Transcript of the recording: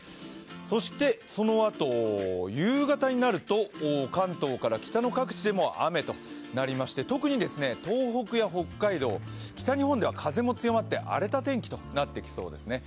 そしてそのあと、夕方になると、関東から北の各地でも雨となりまして特に東北や北海道、北日本では風も強まって荒れた天気となってきそうですね。